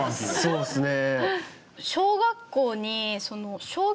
そうっすね。